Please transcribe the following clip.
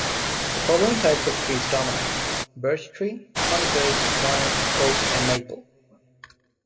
The following types of trees dominate: birch tree, conifers, lime, oak, and maple.